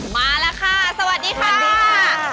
มาแล้วค่ะสวัสดีค่ะสวัสดีค่ะสวัสดีค่ะ